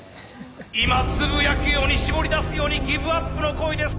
今つぶやくように絞り出すようにギブアップの声です。